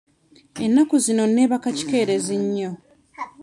Ennaku zino neebaka kikeerezi nnyo.